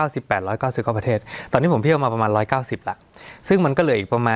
สวัสดีครับทุกผู้ชม